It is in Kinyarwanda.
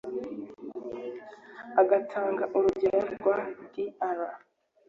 agatanga urugero rwa Dr